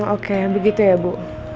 oke begitu ya bu